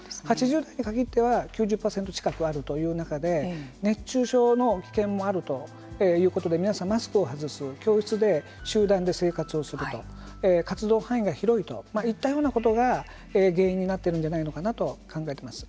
８０代に限っては９０％近くあるという中で熱中症の危険もあるということで皆さんマスクを外す教室で集団で生活をする活動範囲が広いといったようなことが原因になっているんじゃないかなと考えています。